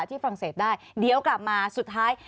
ฝรั่งเศสได้เดี๋ยวกลับมาสุดท้าย